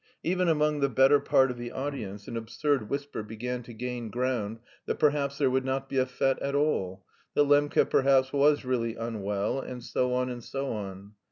Even among the better part of the audience an absurd whisper began to gain ground that perhaps there would not be a fête at all, that Lembke perhaps was really unwell, and so on and so on.